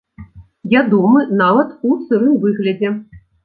Ядомы нават у сырым выглядзе.